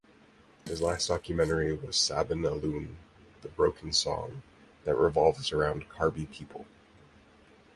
His last documentary was "Sabin Alun (The Broken Song)" that revolves around Karbi people.